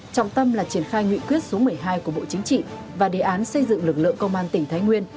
trọng tâm là triển khai nguyện quyết số một mươi hai của bộ chính trị và đề án xây dựng lực lượng công an tỉnh thái nguyên